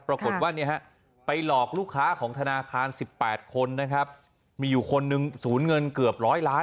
ปรากฏว่าไปหลอกลูกค้าของธนาคาร๑๘คนนะครับมีอยู่คนนึงสูญเงินเกือบร้อยล้าน